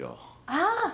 ああ。